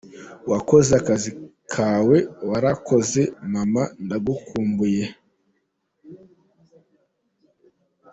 Wakoze akazi kawe, warakoze mama, ndagukumbuye.